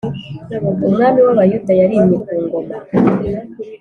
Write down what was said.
umwami w’ Abayuda yarimye kungoma.